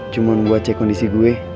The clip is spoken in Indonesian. cuma buat cek kondisi gue